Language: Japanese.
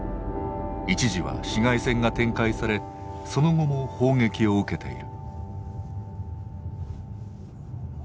一時は市街戦が展開されその後も砲撃を受けている。